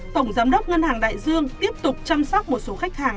tổng giám đốc ngân hàng đại dương tiếp tục chăm sóc một số khách hàng